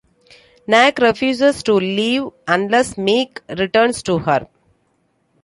Nak refuses to leave unless Mek returns to her.